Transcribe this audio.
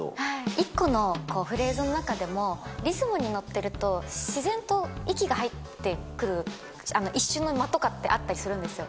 １個のフレーズの中でも、リズムに乗ってると、自然と息が入ってくる、一瞬の間とかってあったりするんですよ。